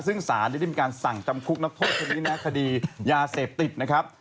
ซึ่งสารได้มีการสั่งจำคุกนักโทษคนนี้นะคดียาเสพติดนะครับ